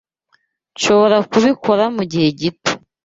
Nshobora kubikora mugihe gito.